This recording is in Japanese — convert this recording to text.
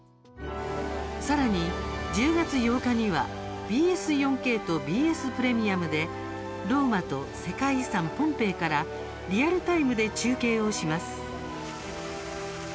さらに、１０月８日にはＢＳ４ＫとＢＳプレミアムでローマと世界遺産ポンペイからリアルタイムで中継をします。